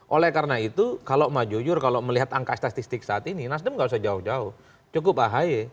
oleh karena itu kalau mau jujur kalau melihat angka statistik saat ini nasdem nggak usah jauh jauh cukup ahy